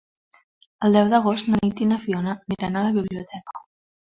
El deu d'agost na Nit i na Fiona aniran a la biblioteca.